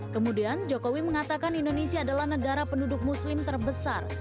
kemudian jokowi mengatakan indonesia adalah negara penduduk muslim terbesar